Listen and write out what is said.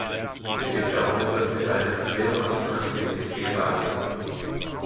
Mit dem Daumen wird mit einer Drehung aus dem Handgelenk geschlagen.